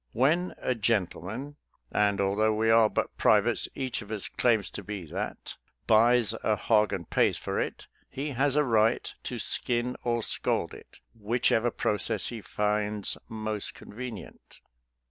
When a gentleman — ^and although we are but privates, each of us claims to be that — ^buys a hog and pays for it, he has a right to skin or scald it, whichever process he finds most con venient."